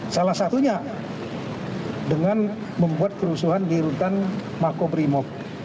salah satunya dengan membuat kerusuhan di hutan maku grimok